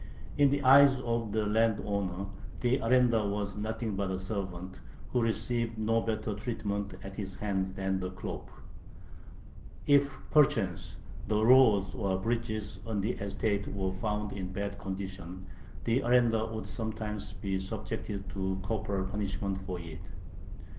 In the eyes of the landowner the arendar was nothing but a servant, who received no better treatment at his hands than the khlop. If perchance the roads or bridges on the estate were found in bad condition, the arendar would sometimes be subjected to corporal punishment for it.